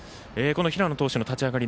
平野投手の立ち上がり